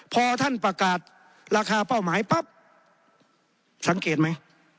พอท่านประกาศราคาเป้าหมายปั๊บสังเกตไหม